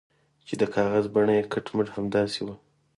چې د کاغذ بڼه یې کټ مټ همداسې وه.